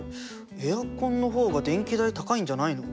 エアコンの方が電気代高いんじゃないの？